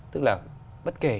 tức là bất kể